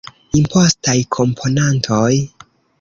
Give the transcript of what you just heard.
Impostaj komponantoj.